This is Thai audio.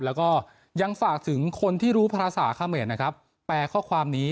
แล้วก็ยังฝากถึงคนที่รู้ภาษาเขมรนะครับแปลข้อความนี้